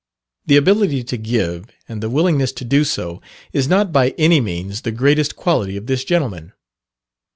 The ability to give, and the willingness to do so, is not by any means the greatest quality of this gentleman.